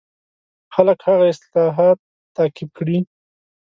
خلک هغه اصلاحات تعقیب کړي.